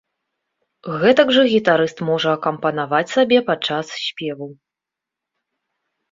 Гэтак жа гітарыст можа акампанаваць сабе падчас спеву.